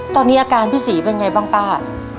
ตอนนี้อาการพี่ศรีเป็นไงบ้างป้า